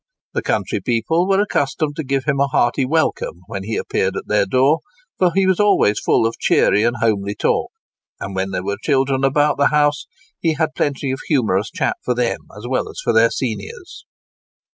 The country people were accustomed to give him a hearty welcome when he appeared at their door; for he was always full of cheery and homely talk, and, when there were children about the house, he had plenty of humorous chat for them as well as for their seniors.